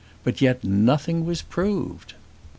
But yet nothing was proved!